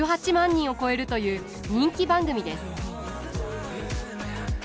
人を超えるという人気番組です。